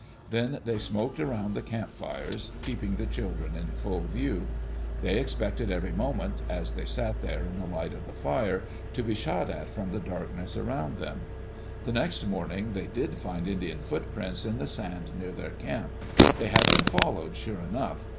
Then they smoked around the campfires, keep ing the children in full view. They expected every mo ment, as they sat there in the light of the fire, to be shot at from the darkness around them. The next morning they did find Indian footprints in the sand near their camp. They had been followed, sure enough.